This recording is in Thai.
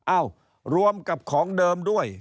เอ้ารวมกับของเดิมด้วย